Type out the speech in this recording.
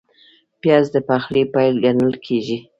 پیاز د پخلي پیل ګڼل کېږي